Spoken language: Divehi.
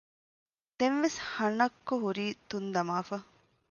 ދެން ވެސް ހަނައްކޮ ހުރީ ތުންދަމާފަ